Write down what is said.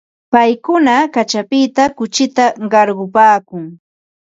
Paykuna kaćhapita kuchita qarqupaakun.